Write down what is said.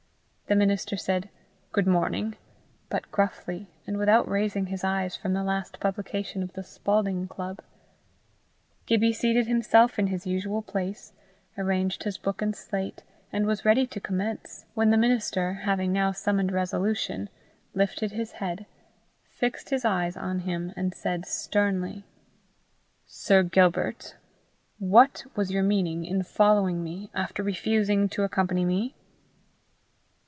The minister said "Good morning," but gruffly, and without raising his eyes from the last publication of the Spalding Club. Gibbie seated himself in his usual place, arranged his book and slate, and was ready to commence when the minister, having now summoned resolution, lifted his head, fixed his eyes on him, and said sternly "Sir Gilbert, what was your meaning in following me, after refusing to accompany me?"